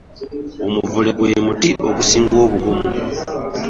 Omuvule gwe muti ogusinga obugumu.